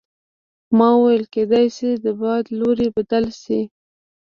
ما وویل کیدای شي د باد لوری بدل شي.